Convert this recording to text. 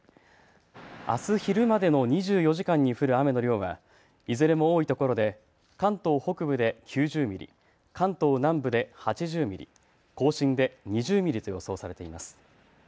あす昼までの２４時間に降る雨の量はいずれも多いところで関東北部で９０ミリ、関東南部で８０ミリ、甲信で２０ミリと予想されています。